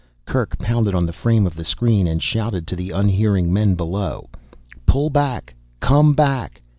Kerk pounded on the frame of the screen and shouted to the unhearing men below. "Pull back, come back